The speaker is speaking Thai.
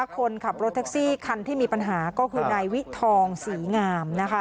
คนขับรถแท็กซี่คันที่มีปัญหาก็คือนายวิทองศรีงาม